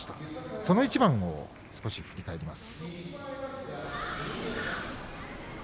その一番を振り返ります。